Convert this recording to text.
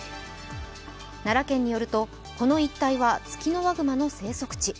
奈良県によるとこの一帯はツキノワグマの生息地。